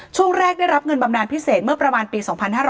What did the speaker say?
ช่วงแรกได้รับเงินบำนานพิเศษเมื่อประมาณปี๒๕๕๙